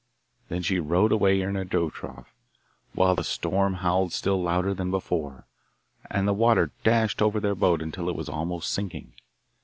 Then she rowed away in her dough trough, while the storm howled still louder than before, and the water dashed over their boat until it was almost sinking.